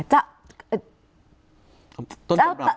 เจ้าต้นตำหลับ